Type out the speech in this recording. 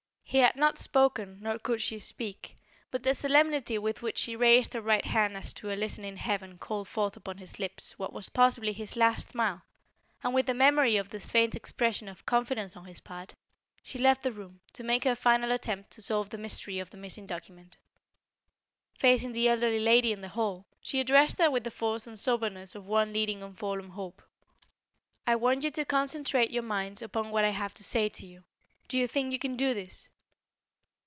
He had not spoken nor could she speak, but the solemnity with which she raised her right hand as to a listening Heaven called forth upon his lips what was possibly his last smile, and with the memory of this faint expression of confidence on his part, she left the room, to make her final attempt to solve the mystery of the missing document. Facing the elderly lady in the hall, she addressed her with the force and soberness of one leading a forlorn hope: "I want you to concentrate your mind upon what I have to say to you. Do you think you can do this?"